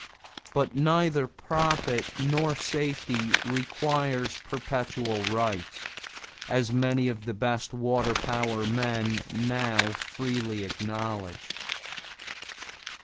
But neither profit nor safety requires perpetual rights, as many of the best water power men now freely acknowledge.